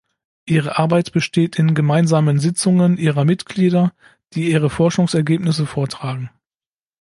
Ihre Arbeit besteht in gemeinsamen Sitzungen ihrer Mitglieder, die ihre Forschungsergebnisse vortragen.